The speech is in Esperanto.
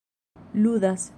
ludas